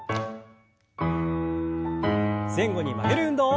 前後に曲げる運動。